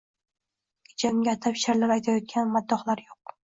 Kecha unga atab sheʼrlar aytayotgan maddohlar yoʻq.